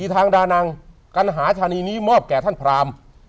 ทางดานังกัณหาชานีนี้มอบแก่ท่านพราม